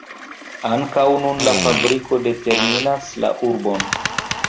Ankaŭ nun la fabriko determinas la urbon.